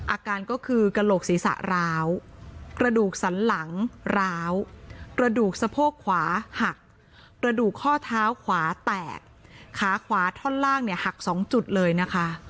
อาการก็คือกระโหลกศีรษะร้าวกระดูกสันหลังร้าวกระดูกสะโพกขวาหักกระดูกข้อเท้าขวาแตกขาขวาท่อนล่างเนี่ยหัก๒จุดเลยนะคะ